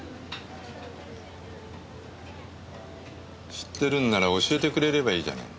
知ってるんなら教えてくれればいいじゃない。